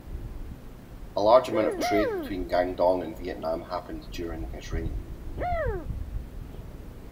A large amount of trade between Guangdong and Vietnam happened during his reign.